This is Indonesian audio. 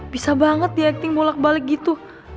bisa banget diakting bolak balik gitu